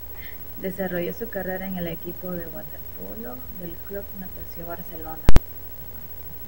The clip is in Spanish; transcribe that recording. Desarrolló su carrera en el equipo de waterpolo del Club Natació Barcelona.